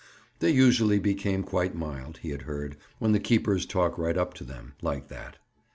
They usually became quite mild, he had heard, when the keepers talked right up to them, like that.